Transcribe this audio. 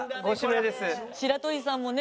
白鳥さんもね